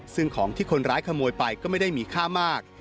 ซึ่งของที่คนร้ายขโมยไปก็ไม่ได้มีค่ามาก